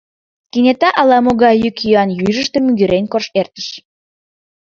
Кенета ала-могай йӱк-йӱан южышто мӱгырен эртыш.